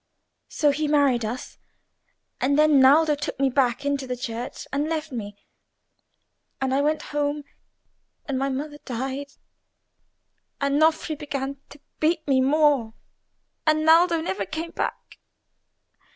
So he married us, and then Naldo took me back into the church and left me; and I went home, and my mother died, and Nofri began to beat me more, and Naldo never came back.